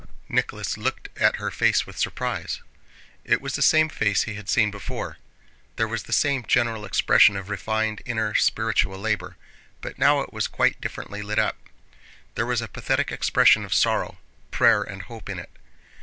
Nicholas looked at her face with surprise. It was the same face he had seen before, there was the same general expression of refined, inner, spiritual labor, but now it was quite differently lit up. There was a pathetic expression of sorrow, prayer, and hope in it.